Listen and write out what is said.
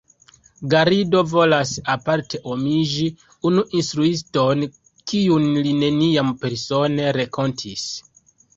Garrido volas aparte omaĝi unu instruiston, kiun li neniam persone renkontis.